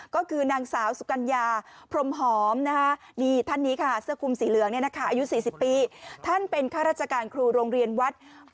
ก็คือนางสาวสุกัญญาพรมหอมนะฮะ